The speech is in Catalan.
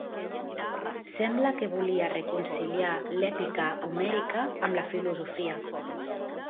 Sembla que volia reconciliar l'èpica homèrica amb la filosofia.